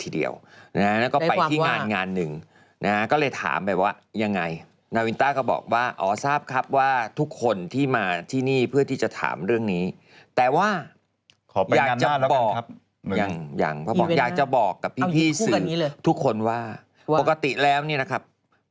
เดี๋ยวกลับงานแล้วอ๋อโอเคเดี๋ยวกลับมาครับ